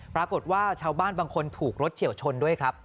ปรากฏว่าชาวบ้านบางคนถูกรถเฉียวชนด้วยครับ